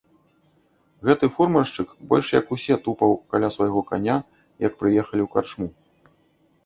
Гэты фурманшчык больш як усе тупаў каля свайго каня, як прыехалі ў карчму.